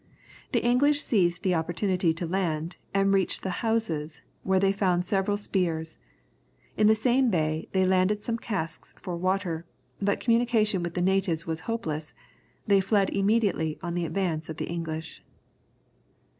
The English seized the opportunity to land, and reach the houses, where they found several spears. In the same bay, they landed some casks for water, but communication with the natives was hopeless; they fled immediately on the advance of the English.